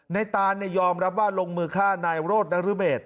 ในตานยอมรับว่าลงมือค่านายโรธนักศึกเบช